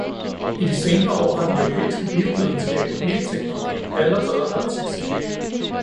I de senere år har den europæiske biovidenskab og bioteknologi allerede haft succes.